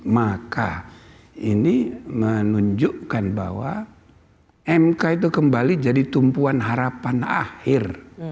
maka ini menunjukkan bahwa mk itu kembali jadi tumpuan harapan akhir